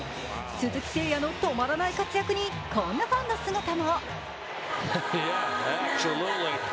鈴木誠也の止まらない活躍にこんなファンの姿も。